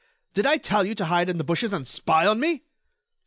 Did I tell you to hide in the bushes and spy on me?"